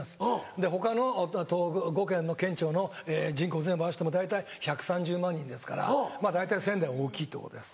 で他の東北５県の県・町の人口を全部合わせても大体１３０万人ですから大体仙台は大きいってことです。